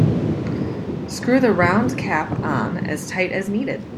Screw the round cap on as tight as needed.